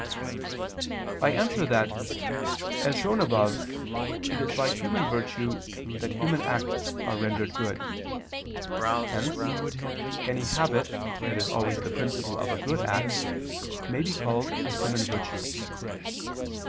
I answer that, As shown above, it is by human virtue that human acts are rendered good; hence, any habit that is always the principle of a good act, may be called a human virtue.